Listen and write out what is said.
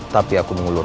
tapi aku mengulur